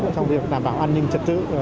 trong việc đảm bảo an ninh trạc tự